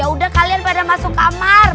udah kalian pada masuk kamar